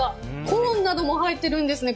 コーンなども入ってるんですね。